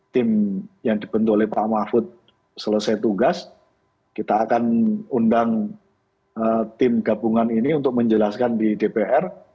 tim yang dibentuk oleh pak mahfud selesai tugas kita akan undang tim gabungan ini untuk menjelaskan di dpr